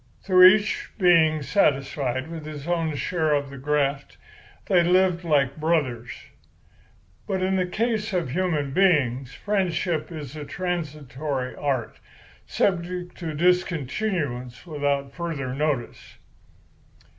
Through each being satisfied with his own share of the graft, they lived like brothers. "But in the case of human beings, friendship is a transitory art, subject to discontinuance without further notice.